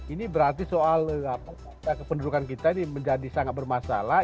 ini berarti soal kependudukan kita ini menjadi sangat bermasalah